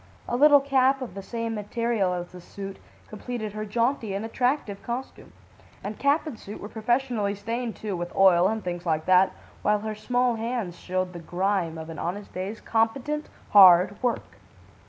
A little cap of the same material as the suit, completed her jaunty and attractive costume. And cap and suit were professionally stained, too, with oil and things like that, while her small hands showed the grime of an honest day's competent, hard work.